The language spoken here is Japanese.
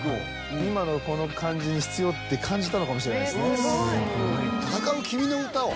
今のこの感じに必要って感じたのかもしれないですね